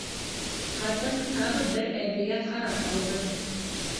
Ҡатын тағы бер әбейгә ҡарап алды.